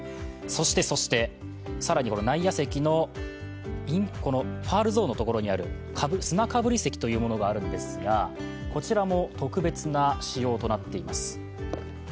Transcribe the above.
そして、さらに内野席のファウルゾーンのところにある砂かぶり席というものがあるんですがこちらも特別な仕様となっています。